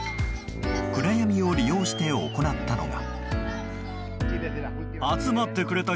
暗闇を利用して行ったのが。